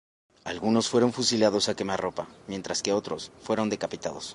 Algunos fueron fusilados a quemarropa, mientras que otros fueron decapitados.